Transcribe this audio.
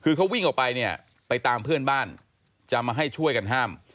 คือเขาวิ่งออกไปเนี่ยไปตามเพื่อนบ้านจะมาให้ช่วยกันห้าม